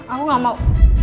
aku gak mau